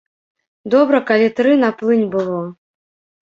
Добра калі тры на плынь было.